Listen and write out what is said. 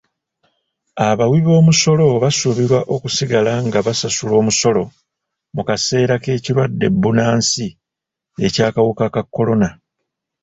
Abawibomusolo basuubirwa okusigala nga basasula omusolo mu kaseera k'ekirwadde bbunansi eky'akawuka ka kolona.